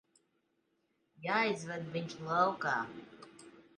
Jāizved viņš laukā.